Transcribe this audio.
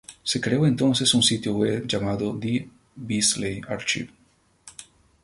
Se creó entonces un sitio web llamado The Beazley Archive.